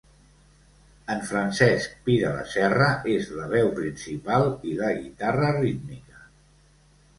En Francesc Pi de la Serra és la veu principal i la guitarra rítmica.